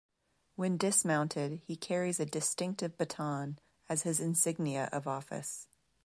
When dismounted he carries a distinctive baton as his insignia of office.